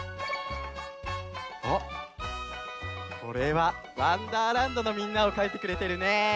あっこれは「わんだーらんど」のみんなをかいてくれてるね。